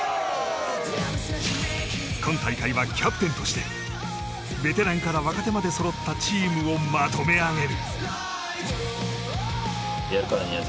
今大会はキャプテンとしてベテランから若手までそろったチームをまとめ上げる。